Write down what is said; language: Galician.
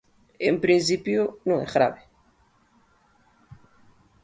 En principio, non é grave.